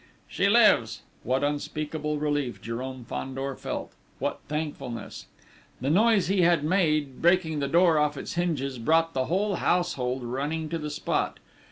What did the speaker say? "She lives!" What unspeakable relief Jérôme Fandor felt! What thankfulness! The noise he had made breaking the door off its hinges brought the whole household running to the spot.